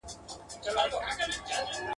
د هغه مايني يا مور به د هغه په پلټنه کي